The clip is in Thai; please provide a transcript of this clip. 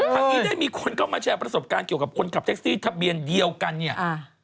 ทั้งนี้ได้มีคนเข้ามาแชร์ประสบการณ์เกี่ยวกับคนขับแท็กซี่ทะเบียนเดียวกันเนี่ย